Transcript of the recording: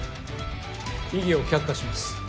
異議を却下します。